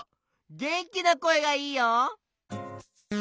げんきなこえがいいよ！